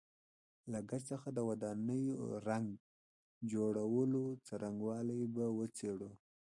له ګچ څخه د ودانیو رنګ جوړولو څرنګوالی به وڅېړو.